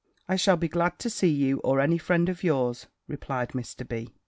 "I shall be glad to see you, or any friend of yours," replied Mr. B.